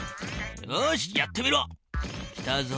よしやってみろ！来たぞ。